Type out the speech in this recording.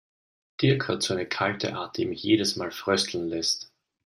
Dirk hat so eine kalte Art, die mich jedes Mal frösteln lässt.